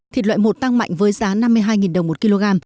thịt loại một tăng mạnh với giá năm mươi hai đồng một kg